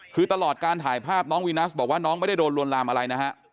คือตลอดการถ่ายภาพน้องวีนัสบอกว่าน้องไม่ได้โดนลวนลามอะไรนะฮะ